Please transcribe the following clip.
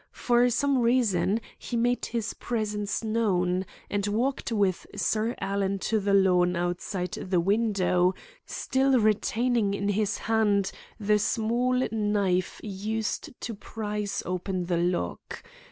For some reason, he made his presence known, and walked with Sir Alan to the lawn outside the window, still retaining in his hand the small knife used to prise open the lock.